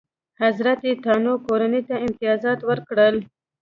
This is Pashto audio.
حضرتانو کورنۍ ته امتیازات ورکړل.